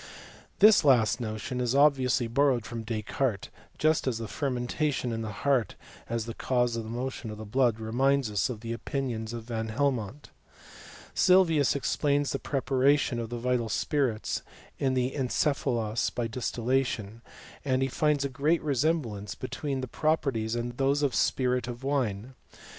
This last notion is obviously borrowed from Descartes, just as the fermentation in the heart, as the cause of the motion of the blood, reminds us of the opinions of Van Helmont. Sylvius explains the preparation of the vital spirits in the encephalos by distillation, and he finds a great resemblance between their properties . and those of spirit of wine.